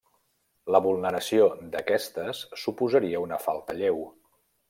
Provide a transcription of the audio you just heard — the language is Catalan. La vulneració d'aquestes suposaria una falta lleu.